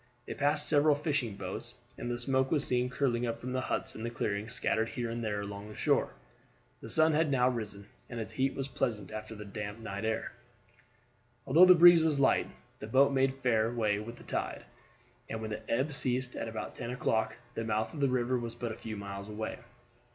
They passed several fishing boats, and the smoke was seen curling up from the huts in the clearings scattered here and there along the shore. The sun had now risen, and its heat was pleasant after the damp night air. Although the breeze was light, the boat made fair way with the tide, and when the ebb ceased at about ten o'clock the mouth of the river was but a few miles away.